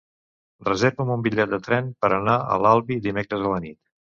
Reserva'm un bitllet de tren per anar a l'Albi dimecres a la nit.